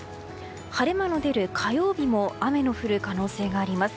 晴れ間の出る火曜日も雨の降る可能性があります。